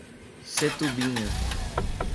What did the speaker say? Setubinha